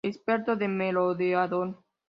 Aspecto de Merodeador.